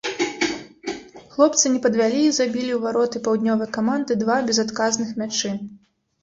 Хлопцы не падвялі і забілі ў вароты паўднёвай каманды два безадказных мячы.